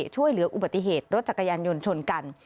ช่วยเหลืออุบัติเหตุรถจักรยานยนต์ชนกัน